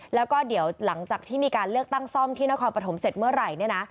แล้วก็เดี๋ยวหลังจากที่มีการเลือกตั้งซ่อมที่นครปฐมเสร็จเมื่อไหร่